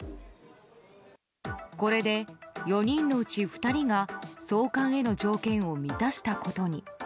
これで、４人のうち２人が送還への条件を満たしたことに。